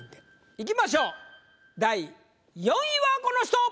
いきましょう第４位はこの人！